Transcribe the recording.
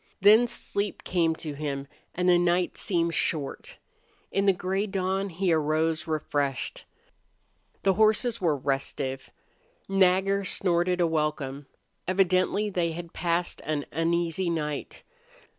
Then sleep came to him and the night seemed short. In the gray dawn he arose refreshed. The horses were restive. Nagger snorted a welcome. Evidently they had passed an uneasy night.